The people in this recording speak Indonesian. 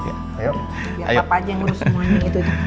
biar papa aja yang urus semuanya gitu